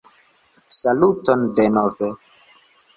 Saluton denove!